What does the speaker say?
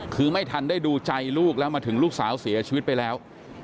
คือไม่ทันได้ดูใจลูกแล้วมาถึงลูกสาวเสียชีวิตไปแล้ว